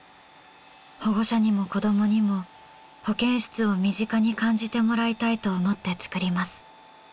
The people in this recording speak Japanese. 保護者にも子どもにも保健室を身近に感じてもらいたいと思って作ります。